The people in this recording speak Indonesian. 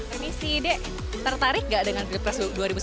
emisi dek tertarik gak dengan pilpres dua ribu sembilan belas